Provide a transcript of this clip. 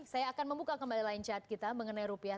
saya akan membuka kembali line chat kita mengenai rupiah